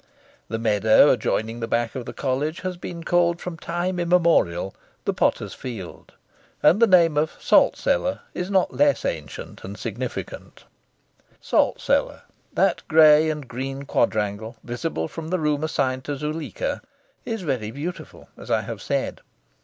The meadow adjoining the back of the College has been called from time immemorial "the Potter's Field." And the name of Salt Cellar is not less ancient and significant. Salt Cellar, that grey and green quadrangle visible from the room assigned to Zuleika, is very beautiful, as I have said.